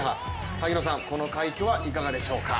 萩野さん、この快挙はいかがでしょうか？